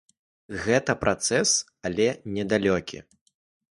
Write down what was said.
Гэта працэс, але не далёкі.